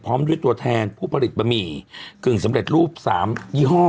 พร้อมด้วยตัวแทนผู้ผลิตบะหมี่กึ่งสำเร็จรูป๓ยี่ห้อ